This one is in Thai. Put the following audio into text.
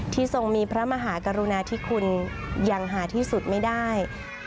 ทรงมีพระมหากรุณาธิคุณอย่างหาที่สุดไม่ได้